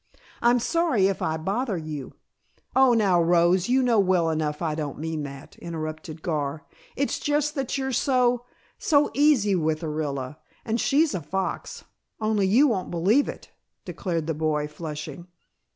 I'm sorry if I bother you " "Oh, now Rose, you know well enough I don't mean that," interrupted Gar. "It's just that you're so so easy with Orilla, and she's a fox, only you won't believe it," declared the boy, flushing.